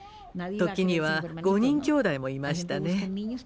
時には５人きょうだいもいましたね。